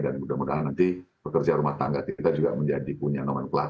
dan mudah mudahan nanti pekerja rumah tangga kita juga menjadi punya nomenklatur